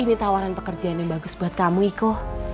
ini tawaran pekerjaan yang bagus buat kamu iko